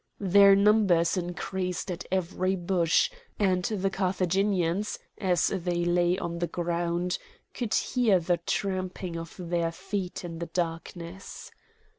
Their numbers increased at every bush; and the Carthaginians, as they lay on the ground, could hear the tramping of their feet in the darkness.